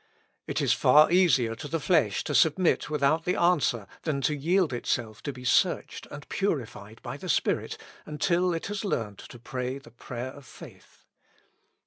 It is far easier to the flesh to submit without the answer than to yield itself to be searched and purified by the Spirit, until it has learned to pray the prayer of faith.